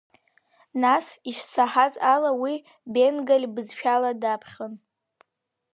Нас ишсаҳаз ала, уи бенгаль бызшәала даԥхьон.